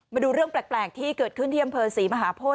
มาดูเรื่องแปลกที่เกิดขึ้นที่อำเภอศรีมหาโพธิ